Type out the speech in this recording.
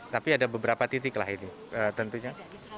tapi ada beberapa titik lah ini tentunya